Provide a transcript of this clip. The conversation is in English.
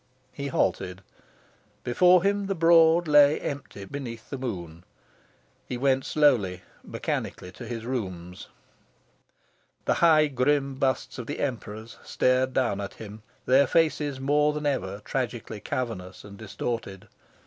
He halted. Before him, the Broad lay empty beneath the moon. He went slowly, mechanically, to his rooms. The high grim busts of the Emperors stared down at him, their faces more than ever tragically cavernous and distorted.